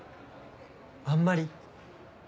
あんまり。